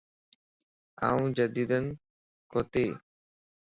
آن جڍين ڪوتي